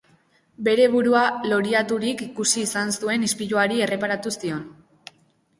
Bere burua loriaturik ikusi izan zuen ispiluari erreparatu zion.